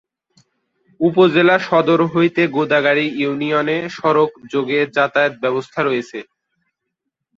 উপজেলা সদর হইতে গোদাগাড়ী ইউনিয়নে সড়ক যোগে যাতায়াত ব্যবস্থা রয়েছে।